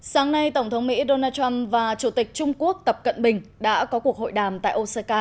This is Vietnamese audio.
sáng nay tổng thống mỹ donald trump và chủ tịch trung quốc tập cận bình đã có cuộc hội đàm tại osaka